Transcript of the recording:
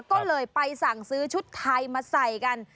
ก็เลยไปสั่งซื้อชุดไทยมาใส่กัน